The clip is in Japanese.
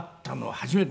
初めて？